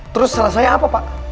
terus salah saya apa pak